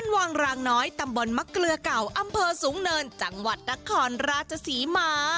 วางรางน้อยตำบลมะเกลือเก่าอำเภอสูงเนินจังหวัดนครราชศรีมา